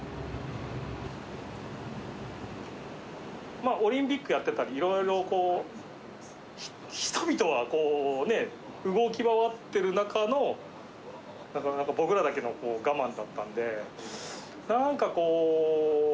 まあ、オリンピックやってたり、いろいろこう、人々は動き回ってる中の、僕らだけの我慢だったんで、なんかこう。